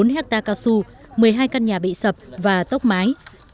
bốn hectare cao su một mươi hai căn nhà bị sập và tốc mái